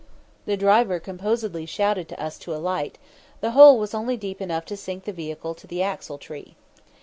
The driver composedly shouted to us to alight; the hole was only deep enough to sink the vehicle to the axletree.